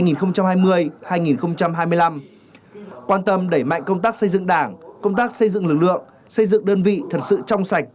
quan tâm đẩy mạnh công tác xây dựng đảng công tác xây dựng lực lượng xây dựng đơn vị thật sự trong sạch